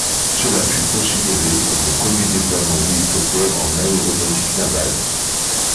Cela fut considéré comme le premier déploiement d'hélicoptères en aéronautique navale.